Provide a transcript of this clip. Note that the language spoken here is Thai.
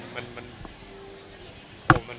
มันมันมัน